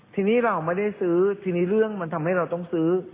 ทีนี้เราไม่ได้ซื้อทีนี้เรื่องมันทำให้เราต้องซื้อ